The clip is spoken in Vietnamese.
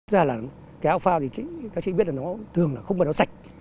cái áo phao thì các chị biết là nó thường là không phải nó sạch